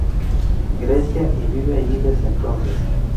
Grecia y vive allí desde entonces.